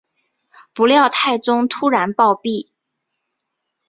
不料太宗突然暴毙。